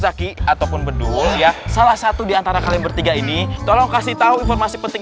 zaki ataupun bedul ya salah satu diantara kalian bertiga ini tolong kasih tahu informasi penting